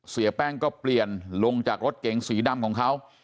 เสียแป้งก็เปลี่ยนลงจากรถเก๋งสีดำของเขา